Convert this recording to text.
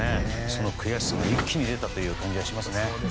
その悔しさが一気に出たという感じがしますね。